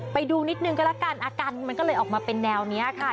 ไปดูนิดนึงก็แล้วกันอาการมันก็เลยออกมาเป็นแนวนี้ค่ะ